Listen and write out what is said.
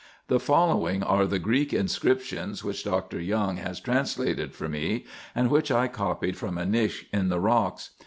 The following are the Greek inscriptions, which Dr. Young has translated for me, and which I copied from a niche in the rocks.